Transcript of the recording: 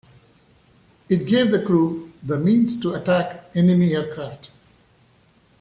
It gave the crew the means to attack enemy aircraft.